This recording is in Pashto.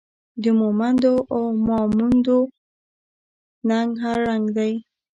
د مومندو او ماموندو ننګ هر رنګ دی